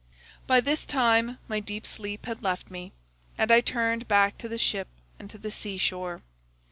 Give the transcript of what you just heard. "By this time my deep sleep had left me, and I turned back to the ship and to the sea shore.